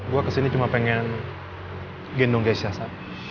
gue kesini cuma pengen gendong keisha sa